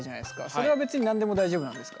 それは別に何でも大丈夫なんですか？